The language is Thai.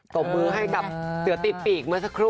ตบมือให้กับเสือติดปีกเมื่อสักครู่